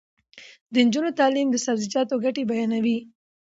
د نجونو تعلیم د سبزیجاتو ګټې بیانوي.